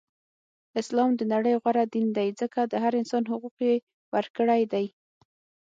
اسلام د نړی غوره دین دی ځکه د هر انسان حقوق یی ورکړی دی.